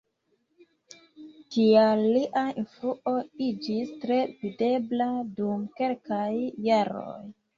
Tial lia influo iĝis tre videbla dum kelkaj jaroj.